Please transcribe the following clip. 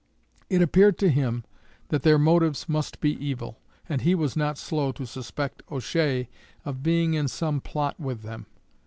It appeared to him that their motives must be evil, and he was not slow to suspect O'Shea of being in some plot with them.